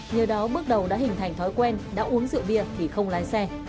nhờ đó bước đầu đã hình thành thói quen đã uống rượu bia thì không lái xe